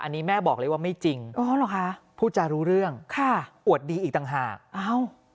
อันนี้แม่บอกเลยว่าไม่จริงพูดจารู้เรื่องอวดดีอีกต่างหาก